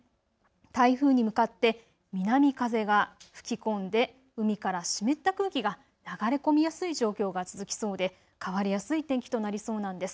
台風に向かって南風が吹き込んで海から湿った空気が流れ込みやすい状況が続きそうで変わりやすい天気となりそうなんです。